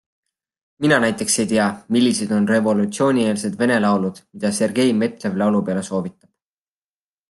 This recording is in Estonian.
Mina näiteks ei tea, millised on revolutsioonieelsed vene laulud, mida Sergei Metlev laulupeole soovitab.